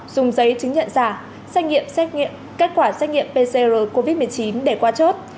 dùng giấy chứng nhận giả xét nghiệm xét nghiệm kết quả xét nghiệm pcr covid một mươi chín để qua chốt